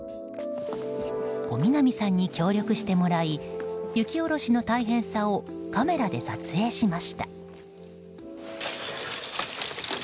小南さんに協力してもらい雪下ろしの大変さをカメラで撮影しました。